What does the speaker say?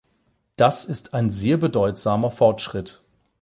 Das ist ein sehr bedeutsamer Fortschritt.